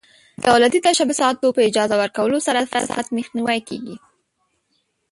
د دولتي تشبثاتو په اجاره ورکولو سره فساد مخنیوی کیږي.